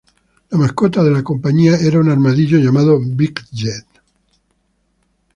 La mascota de la compañía era un armadillo llamado Widget.